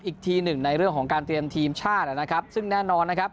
อีกทีหนึ่งในเรื่องของการเตรียมทีมชาตินะครับซึ่งแน่นอนนะครับ